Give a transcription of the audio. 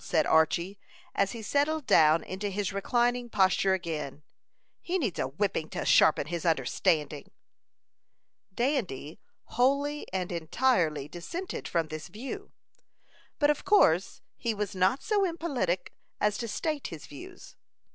said Archy, as he settled down into his reclining posture again. "He needs a whipping to sharpen his understanding." Dandy wholly and entirely dissented from this view; but of course he was not so impolitic as to state his views.